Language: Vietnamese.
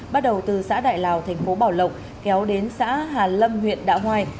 bắt đầu từ xã đại lào thành phố bảo lộc kéo đến xã hà lâm huyện đạo hoài